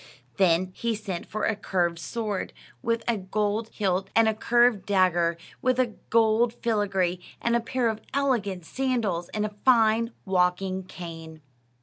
Then he sent for a curved sword with a gold hilt, and a curved dagger with gold filigree, and a pair of elegant sandals, and a fine walking cane.